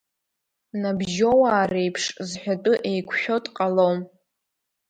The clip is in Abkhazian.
Набжьоуаа реиԥш зҳәатәы еиқәшәо дҟалом…